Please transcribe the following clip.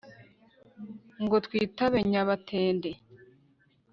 ngo twitabe nyabatende